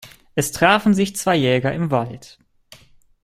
Es trafen sich zwei Jäger im Wald.